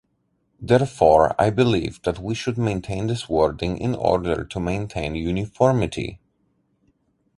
Therefore, I believe that we should maintain this wording in order to maintain uniformity.